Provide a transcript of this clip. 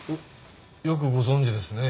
よくご存じですね。